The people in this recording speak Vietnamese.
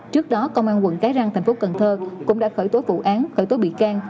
trước đó công an quận cái răng thành phố cần thơ cũng đã khởi tố vụ án khởi tố bị can